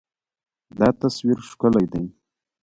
دا تصویر ښکلی دی.